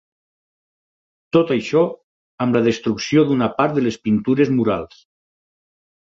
Tot això, amb la destrucció d'una part de les pintures murals.